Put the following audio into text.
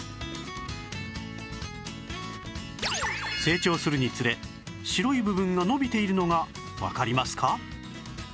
生長するにつれ白い部分が伸びているのがわかりますか？